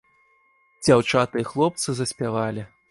Дзяўчаты і хлопцы заспявалі.